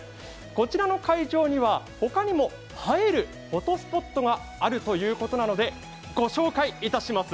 こちらの会場には、他にも映えるフォトスポットがあるということなのでご紹介いたします。